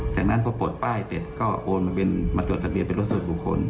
จากนั้นพอปลดป้ายเสร็จก็โอนมาเป็นมาจดทะเบียนเป็นรถส่วนบุคคล